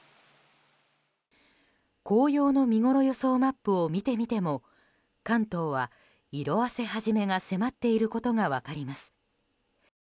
紅葉の見ごろ予想マップを見てみても関東は色あせ始めが迫っていることが分かります。